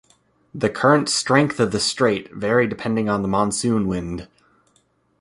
The current strength of the strait vary depending on the monsoon wind.